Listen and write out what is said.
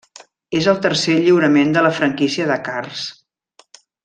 És el tercer lliurament de la franquícia de Cars.